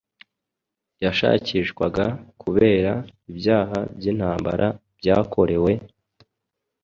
yashakishwaga kubera ibyaha by’intambara byakorewe